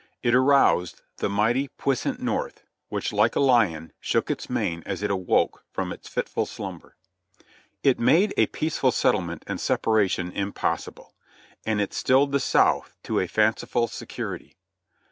It aroused the mighty, puissant North, which, like a lion, shook its mane as it awoke from its fitful slum ber. It made a peaceful settlement and separation impossible, and it stilled the South to a fanciful security.